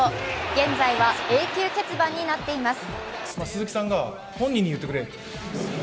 現在は永久欠番になっています。